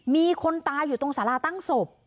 มีคนตายอยู่ตรงสาราตั้งศพ